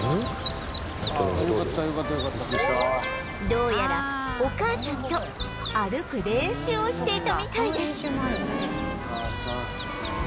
どうやらお母さんと歩く練習をしていたみたいです